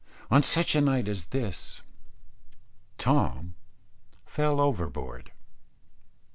On such a night as this Tom fell overboard.